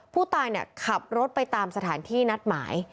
ผู้ตายขับรถไปตามสถานที่นัดหมาย